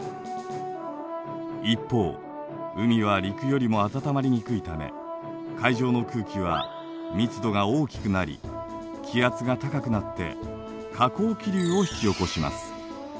一方海は陸よりも暖まりにくいため海上の空気は密度が大きくなり気圧が高くなって下降気流を引き起こします。